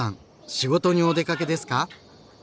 仕事にお出かけですか？